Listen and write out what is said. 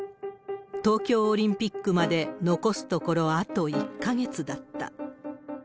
東京オリンピックまで残すところあと１か月だった。